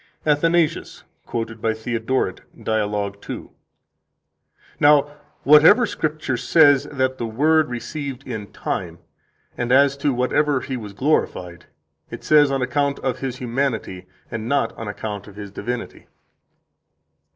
41 ATHANASIUS, quoted by Theodoret, Dialog 2, p. 330: "Now, whatever Scripture says that the Word received [in time], and as to whatever He was glorified, it says on account of His humanity, and not on account of His divinity.